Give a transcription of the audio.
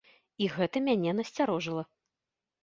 І гэта мяне насцярожыла.